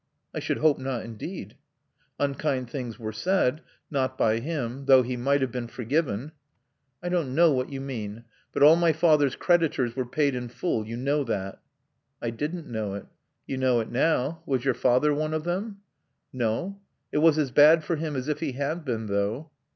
"I should hope not, indeed." "Unkind things were said. Not by him. Though he might have been forgiven " "I don't know what you mean. But all my father's creditors were paid in full. You know that." "I didn't know it." "You know it now. Was your father one of them?" "No. It was as bad for him as if he had been, though."